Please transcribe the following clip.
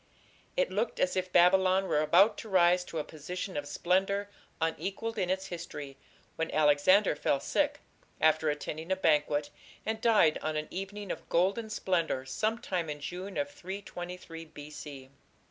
It looked as if Babylon were about to rise to a position of splendour unequalled in its history, when Alexander fell sick, after attending a banquet, and died on an evening of golden splendour sometime in June of 323 B.